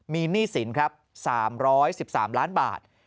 มีหนี้สินครับ๓๑๓ล้านบาท